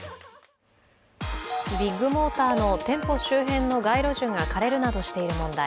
ビッグモーターの店舗周辺の街路樹が枯れるなどしている問題。